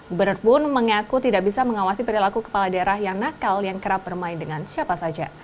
gubernur pun mengaku tidak bisa mengawasi perilaku kepala daerah yang nakal yang kerap bermain dengan siapa saja